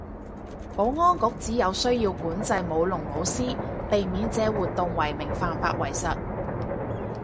保安局指有需要管制舞龍舞獅，避免借活動為名犯法為實